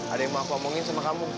ada yang mau aku omongin sama kamu